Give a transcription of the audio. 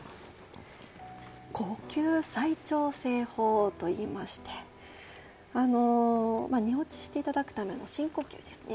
呼吸再調整法といいまして寝落ちしていただくための深呼吸ですね。